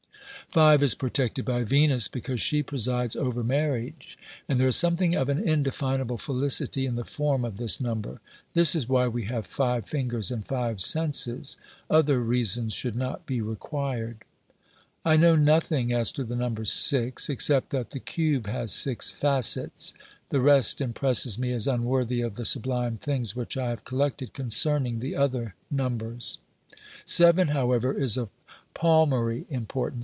Five is protected by Venus, because she presides over marriage, and there is something of an indefinable felicity in the form of this number. This is why we have five fingers and five senses. Other reasons should not be required. I know nothing as to the number Six, except that the cube has six facets. The rest impresses me as unworthy of the sublime things which I have collected concerning the other numbers. OBERMANN 201 Seven, however, is of palmary importance.